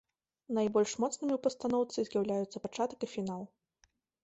Найбольш моцнымі ў пастаноўцы з'яўляюцца пачатак і фінал.